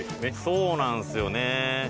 そうなんすよねぇ。